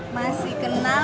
masih kenal gak ya